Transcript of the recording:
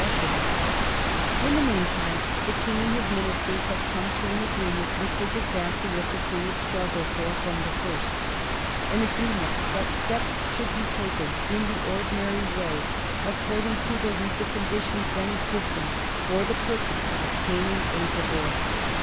[Sidenote: 1820 The King's divorce proceedings] In the mean time the King and his ministers had come to an agreement which was exactly what the King had struggled for from the first, an agreement that steps should be taken in the ordinary way, according to the legal conditions then existing, for the purpose of obtaining a divorce.